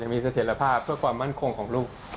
อย่างมีสถิตภาพเพื่อความมั่นคงของลูก